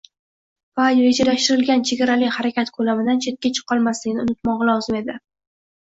va rejalashtirilgan chegarali harakat ko‘lamidan chetga chiqolmasligini unutmog‘i lozim edi.